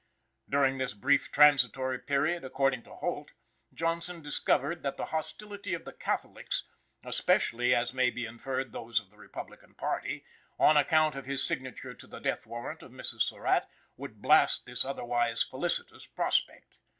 During this brief transitory period, according to Holt, Johnson discovered that the hostility of the Catholics (especially, as may be inferred, those of the Republican party), on account of his signature to the death warrant of Mrs. Surratt, would blast this otherwise felicitous prospect.